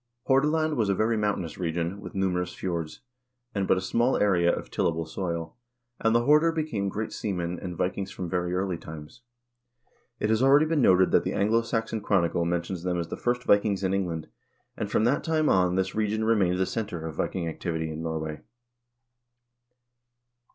Hordaland was a very mountainous region, with numerous fjords, and but a small area of tillable soil, and the Horder became great seamen and Vikings from very early times. It has already been noted that the "Anglo Saxon Chronicle" men tions them as the first Vikings in England, and from that time on, this region remained the center of Viking activity in Norway.